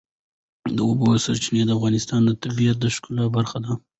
د اوبو سرچینې د افغانستان د طبیعت د ښکلا برخه ده.